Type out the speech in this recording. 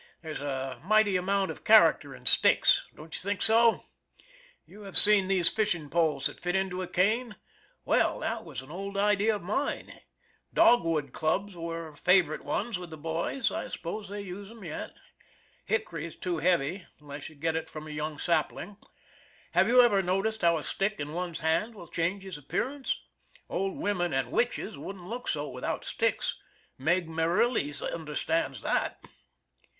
There's a mighty amount of character in sticks. Don't you think so? You have seen these fishing poles that fit into a cane? Well, that was an old idea of mine. Dogwood clubs were favorite ones with the boys. I 'spose they use'em yet. Hickory is too heavy, unless you get it from a young sapling. Have you ever noticed how a stick in one's hand will change his appearance? Old women and witches would'nt look so without sticks. Meg Merrilies understands that."